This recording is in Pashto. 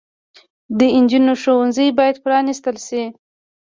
د انجونو ښوونځي بايد پرانستل شي